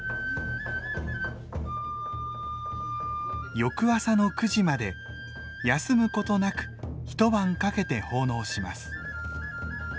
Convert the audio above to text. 翌朝の９時まで休むことなく一晩かけて奉納します。